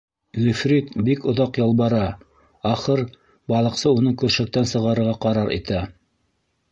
Ғифрит бик оҙаҡ ялбара, ахыр, балыҡсы уны көршәктән сығарырға ҡарар итә.